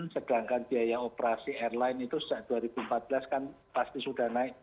sedangkan biaya operasi airline itu sejak dua ribu empat belas kan pasti sudah naik